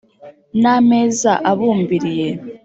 N'ameza abumbiriye.